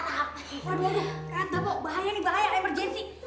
gak ada gak ada bahaya nih bahaya emergency